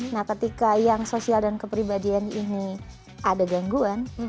nah ketika yang sosial dan kepribadian ini ada gangguan